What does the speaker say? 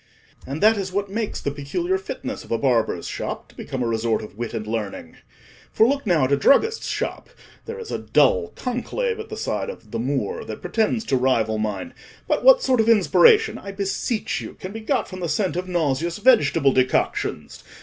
And that is what makes the peculiar fitness of a barber's shop to become a resort of wit and learning. For, look now at a druggist's shop: there is a dull conclave at the sign of 'The Moor,' that pretends to rival mine; but what sort of inspiration, I beseech you, can be got from the scent of nauseous vegetable decoctions?